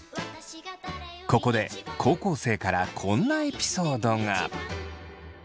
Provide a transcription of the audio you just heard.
ここで高校生からこんなエピソードが。